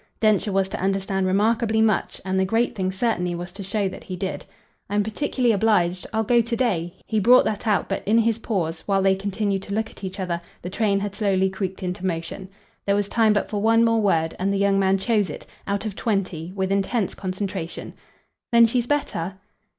Densher was to understand remarkably much; and the great thing certainly was to show that he did. "I'm particularly obliged, I'll go to day." He brought that out, but in his pause, while they continued to look at each other, the train had slowly creaked into motion. There was time but for one more word, and the young man chose it, out of twenty, with intense concentration. "Then she's better?"